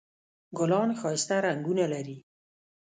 ګلان ښایسته رنګونه لري